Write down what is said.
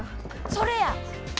それや！